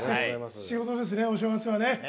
仕事ですね、お正月はね。